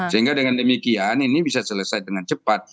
sehingga dengan demikian ini bisa selesai dengan cepat